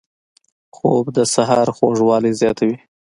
خوب د سحر خوږوالی زیاتوي